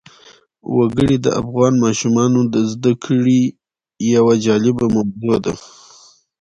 وګړي د افغان ماشومانو د زده کړې یوه جالبه موضوع ده.